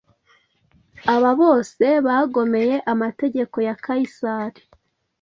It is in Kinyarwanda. Aba bose bagomeye amategeko ya Kayisari,